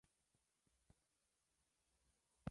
Actualmente reside en Miami.